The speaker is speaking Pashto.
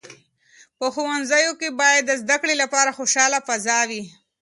په ښوونځیو کې باید د زده کړې لپاره خوشاله فضا وي.